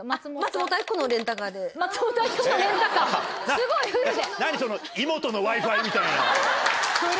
すごいフルで。